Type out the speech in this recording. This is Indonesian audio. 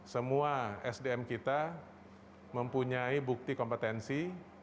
semua sdm kita mempunyai bukti kompetensi